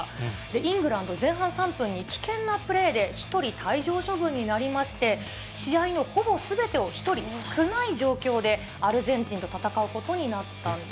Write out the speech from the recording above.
イングランド、前半３分に、危険なプレーで１人退場処分になりまして、試合のほぼすべてを１人少ない状況で、アルゼンチンと戦うことになったんです。